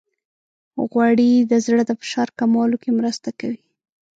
غوړې د زړه د فشار کمولو کې مرسته کوي.